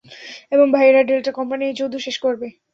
এবং ভাইয়েরা, delta company এই যুদ্ধ শেষ করবে।